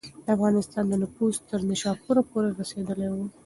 د افغانستان نفوذ تر نیشاپوره پورې رسېدلی و.